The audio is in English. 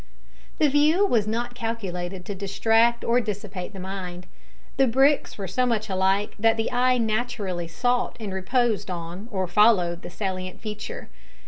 The view was not calculated to distract or dissipate the mind. The bricks were so much alike that the eye naturally sought and reposed on or followed the salient feature.